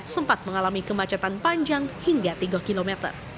sempat mengalami kemacetan panjang hingga tiga km